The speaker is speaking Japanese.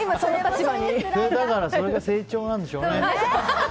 それが成長なんでしょうね。